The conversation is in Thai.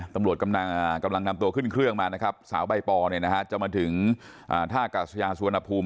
ตำรวจกำลังนำตัวขึ้นเครื่องมานะครับสาวใบปอเนี่ยนะฮะจะมาถึงท่ากาศยาสุวรรณภูมิ